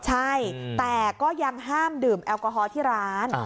ใช่แต่ก็ยังห้ามดื่มแอลกอฮอล์ที่ร้าน